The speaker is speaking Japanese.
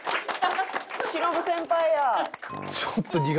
忍先輩や！